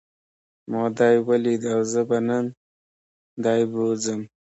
ما دی وليد او زه به نن دی بوځم.